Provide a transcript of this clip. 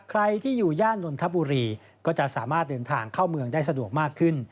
ใครที่อยู่ย่านนทบุรีก็จะสามารถเดินทางเข้าเมืองได้สะดวกมากขึ้น